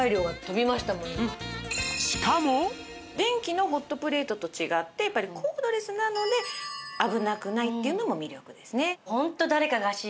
電気のホットプレートと違ってやっぱりコードレスなので危なくないっていうのも魅力ですね。